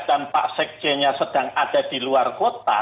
dan pak sekjennya sedang ada di luar kota